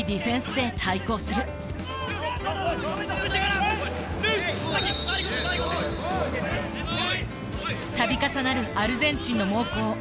度重なるアルゼンチンの猛攻。